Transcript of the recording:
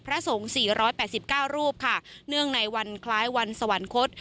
พระสงฆ์๔๘๙รูปค่ะเนื่องในวันคล้ายวันสวรรคต